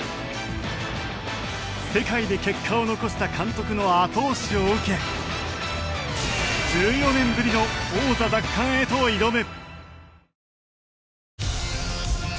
世界で結果を残した監督の後押しを受け１４年ぶりの王座奪還へと挑む。